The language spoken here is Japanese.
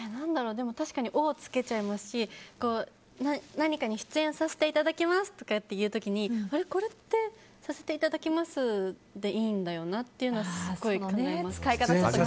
確かに「お」つけちゃいますし何かに出演させていただきますって言う時にあれ、これって「させていただきます」でいいんだよなというのはすごく考えます。